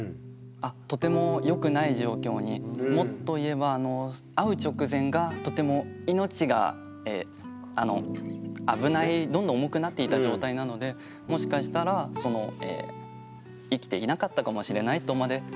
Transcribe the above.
とてもよくない状況にもっと言えば会う直前がとてもどんどん重くなっていた状態なのでもしかしたら今にして思うと。